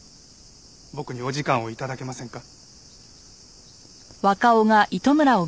僕にお時間を頂けませんか？